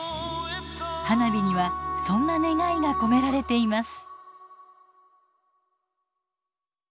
花火にはそんな願いが込められています。